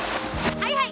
はいはい。